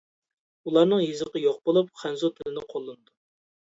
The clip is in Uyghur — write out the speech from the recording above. ئۇلارنىڭ يېزىقى يوق بولۇپ، خەنزۇ تىلىنى قوللىنىدۇ.